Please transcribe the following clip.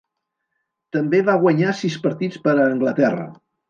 També va guanyar sis partits per a Anglaterra.